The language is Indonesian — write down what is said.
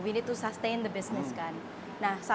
nah mengembangkan itu